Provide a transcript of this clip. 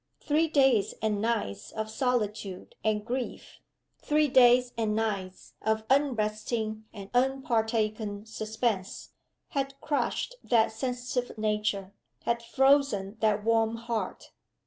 Three days and nights of solitude and grief, three days and nights of unresting and unpartaken suspense, had crushed that sensitive nature, had frozen that warm heart.